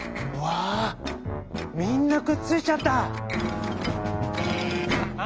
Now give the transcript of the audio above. みんなくっついちゃった！ハハ」。